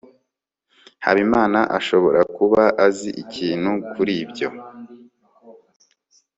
habimana ashobora kuba azi ikintu kuri ibyo